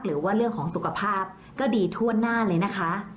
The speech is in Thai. หรือว่าเรื่องของสุขภาพก็ดีทั่วหน้าเลยนะคะ